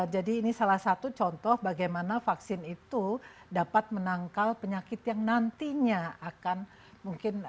jadi ini salah satu contoh bagaimana vaksin itu dapat menangkal penyakit yang nantinya akan mungkin